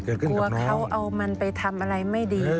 กลัวเขาเอามันไปทำอะไรไม่ดี